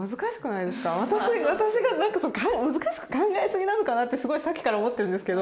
私が難しく考えすぎなのかなってすごいさっきから思ってるんですけど。